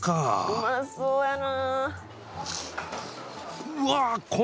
「うまそうやな！」